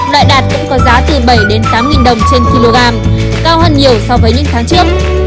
loại đạt cũng có giá từ bảy tám đồng trên kg cao hơn nhiều so với những tháng trước